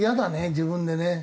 自分でね。